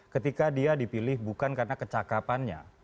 ketika dia dipilih bukan karena kecakapannya